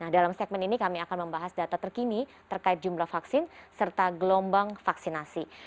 nah dalam segmen ini kami akan membahas data terkini terkait jumlah vaksin serta gelombang vaksinasi